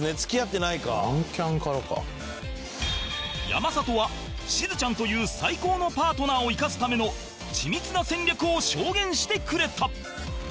山里はしずちゃんという最高のパートナーを生かすための緻密な戦略を証言してくれた